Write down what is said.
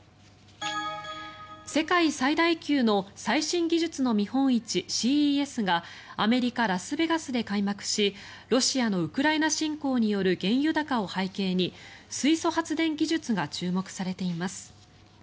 世界最大級の最新技術の見本市ＣＥＳがアメリカ・ラスベガスで開幕しロシアのウクライナ侵攻による原油高を背景に水素発電技術が注目されています。